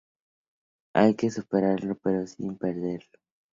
Hay que superarlo, pero sin perderlo.